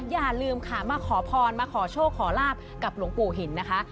อย่าลืมค่ะมาขอพรมาขอโชคขอลาบกับหลวงปู่หินนะคะ